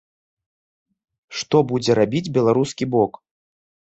Што будзе рабіць беларускі бок?